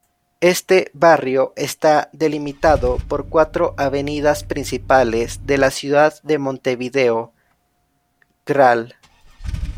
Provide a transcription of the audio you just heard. Este barrio está delimitado por cuatro avenidas principales de la ciudad de Montevideo: Gral.